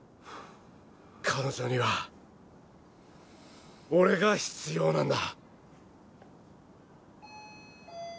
彼女には俺が必要なんだ！